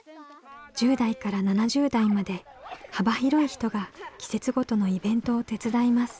１０代から７０代まで幅広い人が季節ごとのイベントを手伝います。